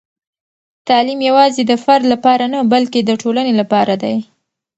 تعلیم یوازې د فرد لپاره نه، بلکې د ټولنې لپاره دی.